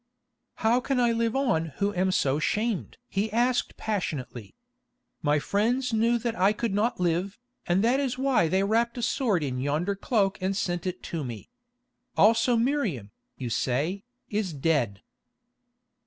"How can I live on who am so shamed?" he asked passionately. "My friends knew that I could not live, and that is why they wrapped a sword in yonder cloak and sent it me. Also Miriam, you say, is dead."